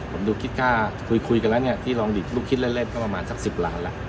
ผมดูคิดค่าคุยกันแล้วเนี่ยที่ลองดิบลูกคิดเล่นก็ประมาณสัก๑๐ล้านแล้ว